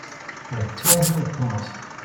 I tore him apart!